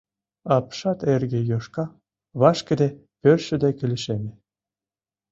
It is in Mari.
Апшат эрге Йошка, вашкыде, пӧртшӧ деке лишеме.